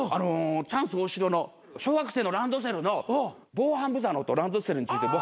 チャンス大城の小学生のランドセルの防犯ブザーの音ランドセルに付いてる。